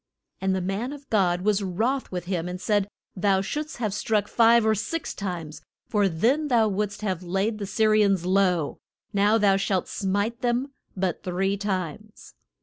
] And the man of God was wroth with him, and said, Thou shouldst have struck five or six times, for then thou wouldst have laid the Sy ri ans low, now thou shalt smite them but three times.